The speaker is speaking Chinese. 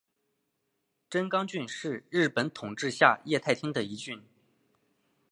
真冈郡是日本统治下桦太厅的一郡。